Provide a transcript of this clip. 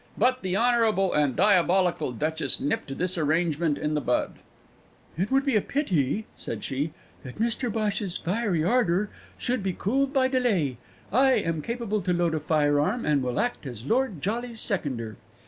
But the honourable and diabolical duchess nipped this arrangement in the bud. "It would be a pity," said she, "that Mr Bhosh's fiery ardour should be cooled by delay. I am capable to load a firearm, and will act as Lord Jolly's seconder."